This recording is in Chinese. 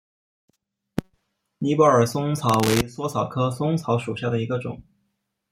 尼泊尔嵩草为莎草科嵩草属下的一个种。